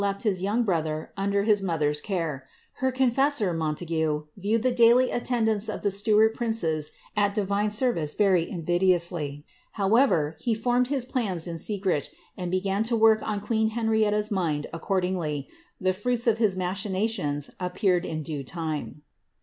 left his young brother under is mother's care ; her confessor, Montague, viewed the daily attend ice of the Stuart princes at divine service very invidiously ; however, e formed his plans in secret, and began to work on queen Henrietta's lind accordingly ; the fruits of his machinations appeared in due tiine.